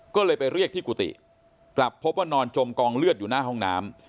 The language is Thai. ก็เลยไปเรียกที่กุฏิกลับพบว่านอนจมกองเลือดอยู่หน้าห้องน้ำ